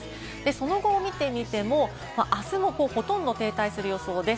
その後を見てみても、あすもほとんど停滞する予想です。